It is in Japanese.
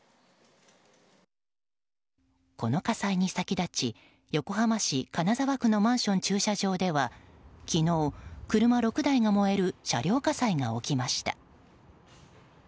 この火災に先立ち横浜市金沢区のマンション駐車場では昨日、車６台が燃える車両火災が起きました。